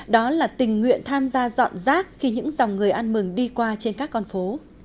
đó là tình nguyện tham gia dọn rác khi những dòng người ăn mừng đi qua trên các con phố